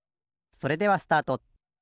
それではスタート。